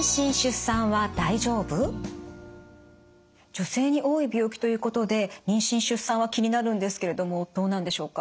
女性に多い病気ということで妊娠出産は気になるんですけれどもどうなんでしょうか？